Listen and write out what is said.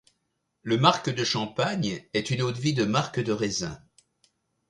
Le marc de Champagne est une eau-de vie de marc de raisin.